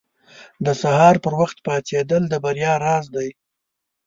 • د سهار پر وخت پاڅېدل د بریا راز دی.